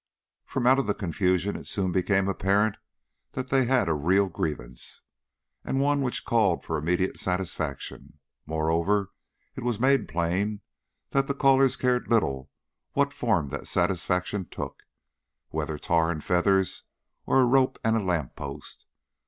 From out of the confusion it soon became apparent that they had a real grievance, and one which called for immediate satisfaction; moreover, it was made plain that the callers cared little what form that satisfaction took, whether tar and feathers or a rope and a lamp post.